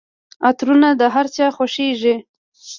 عطرونه د هرچا خوښیږي.